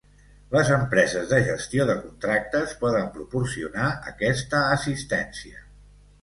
Les empreses de gestió de contractes poden proporcionar aquesta assistència.